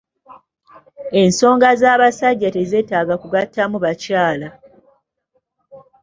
Ensonga z'abasajja tezeetaaga kugattamu bakyala.